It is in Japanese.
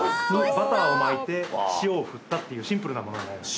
バターを巻いて塩を振ったっていうシンプルなものになります。